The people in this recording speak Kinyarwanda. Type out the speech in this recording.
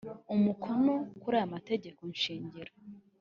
umukono kuri aya mategeko shingiro